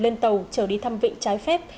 lên tàu trở đi thăm vịnh trái phép